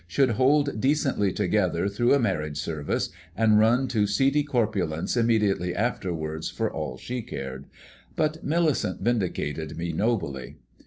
should hold decently together through a marriage service, and run to seedy corpulence immediately afterwards for all she cared. But Millicent vindicated me nobly.